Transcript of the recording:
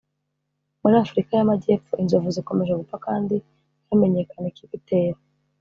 Muri afurika y’amajyepfo inzovu zikomeje gupfa kandi ntihamenyekane ikibitera